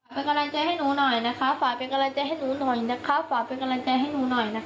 เป็นการรายใจให้หนูหน่อยนะคะฝากเป็นการรายใจให้หนูหน่อยนะคะ